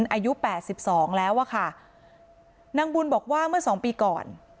อายุแปดสิบสองแล้วอะค่ะนางบุญบอกว่าเมื่อสองปีก่อน